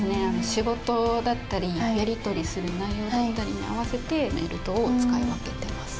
仕事だったりやり取りする内容だったりに合わせてメール等を使い分けてます。